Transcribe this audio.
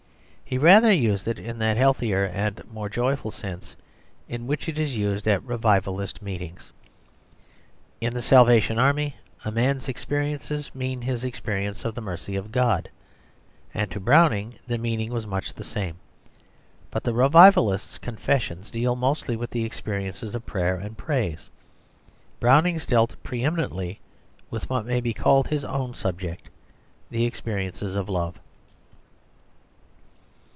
He rather used it in that healthier and more joyful sense in which it is used at revivalist meetings. In the Salvation Army a man's experiences mean his experiences of the mercy of God, and to Browning the meaning was much the same. But the revivalists' confessions deal mostly with experiences of prayer and praise; Browning's dealt pre eminently with what may be called his own subject, the experiences of love.